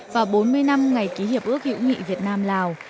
và bốn mươi năm ngày ký hiệp ước hữu nghị việt nam lào